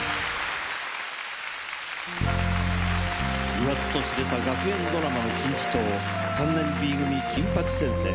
言わずと知れた学園ドラマの金字塔『３年Ｂ組金八先生』。